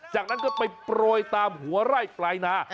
จากนั้นก็ไปโปรยตามหัวไร่ปลายนา